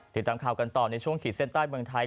ติดตามข่าวกันต่อในช่วงขีดเส้นใต้เมืองไทย